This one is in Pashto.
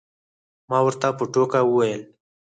ما ورته په ټوکه وویل.